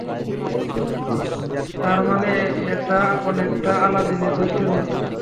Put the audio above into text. তার মানে, এটা অনেকটা আলাদীনের দৈত্যের মতো?